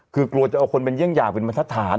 คือกลัวจะเอาคนเป็นเยี่ยงอย่างเป็นบรรทัศน